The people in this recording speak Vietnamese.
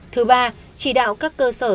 thứ ba chỉ đạo các cơ sở